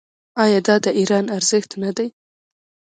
آیا دا د ایران ارزښت نه دی؟